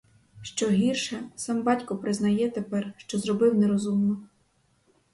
Що гірше, сам батько признає тепер, що зробив нерозумно.